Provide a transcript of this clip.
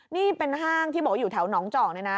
นี่เป็นห้างที่บอกว่าอยู่แถวหนองจอกเนี่ยนะ